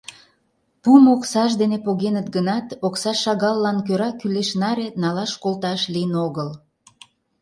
Пуымо оксаж дене погеныт гынат, окса шагаллан кӧра кӱлеш наре налаш-колташ лийын огыл.